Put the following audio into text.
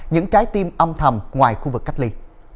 những trái tim âm thầm ngoài khu vực cách ly